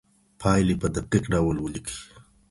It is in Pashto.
پایلي په دقیق ډول ولیکئ.